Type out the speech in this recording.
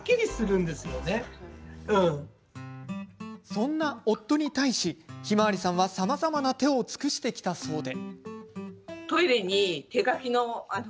そんな夫に対し、ひまわりさんはさまざまな手を尽くしてきたそうで。